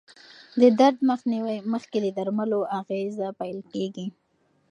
د درد مخنیوي مخکې د درملو اغېزه پېل کېږي.